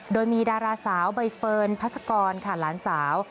โดยมีดาราสาวใบเฟิร์นพัชกรค่ะหลานสาว